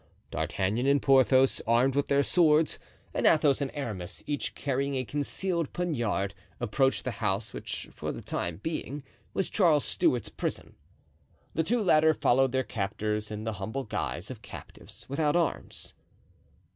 D'Artagnan and Porthos, armed with their swords, and Athos and Aramis, each carrying a concealed poniard, approached the house which for the time being was Charles Stuart's prison. The two latter followed their captors in the humble guise of captives, without arms.